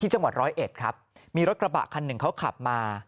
จังหวัดร้อยเอ็ดครับมีรถกระบะคันหนึ่งเขาขับมา